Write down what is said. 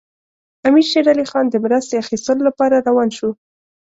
امیر شېر علي خان د مرستې اخیستلو لپاره روان شو.